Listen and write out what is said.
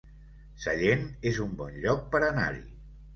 Sallent es un bon lloc per anar-hi